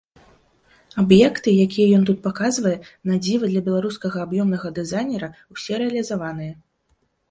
Аб'екты, якія ён тут паказвае, на дзіва для беларускага аб'ёмнага дызайнера, усе рэалізаваныя.